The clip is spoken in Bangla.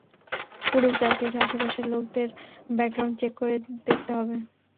কুরুপ, জাজির আশেপাশের লোকদের ব্যাকগ্রাউন্ড চেক করে দেখতে হবে।